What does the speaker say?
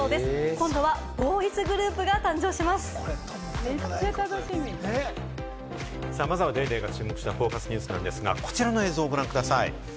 今度はボーイズグループが誕生しまずは『ＤａｙＤａｙ．』が注目したＦＯＣＵＳニュースなんですが、こちらをご覧ください。